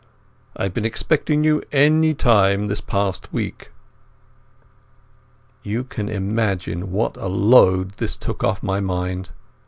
I have been expecting you any time this past week." You can imagine what a load this took off my mind.